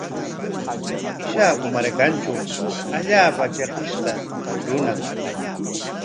Ishaku markantraw allaapa trikishqa runam.